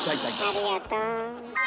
ありがとう。